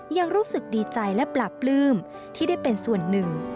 ยังรู้สึกดีใจและปราบปลื้มที่ได้เป็นส่วนหนึ่ง